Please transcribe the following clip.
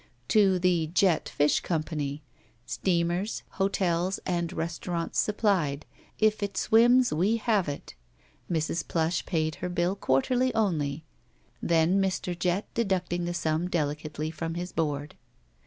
To the Jett Fish Company, "Steamers, Hotels, and Restaurants Supplied — If It Swims We Have It," Mrs. Plush paid her bill quarterly only, then Mr. Jett deducting the sum delicately from his board.